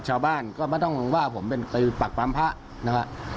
ชาวบ้านก็ไม่ต้องว่าผมเป็นไปปักปั๊มพระนะครับ